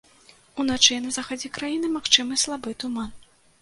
Уначы на захадзе краіны магчымы слабы туман.